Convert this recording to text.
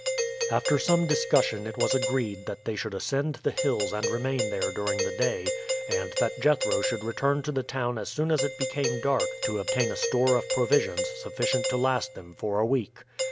After some discussion it was agreed that they should ascend the hills and remain there during the day, and that Jethro should return to the town as soon as it became dark to obtain a store of provisions sufficient to last them for a week.